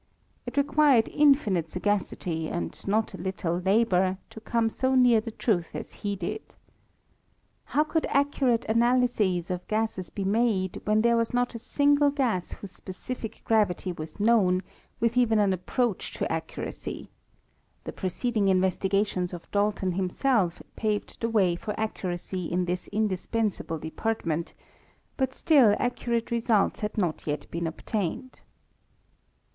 It required infinite sagacity, and not a little labour, to come so near the truth as he did. How could ac curate analyses of gases be made when there was not a single gas whose specific gravity was known, with even an approach to accuracy ; the preceding investigations of Dalton himself paved the way for accuracy in this indispensable department ; but still accurate results had not yet been obtained.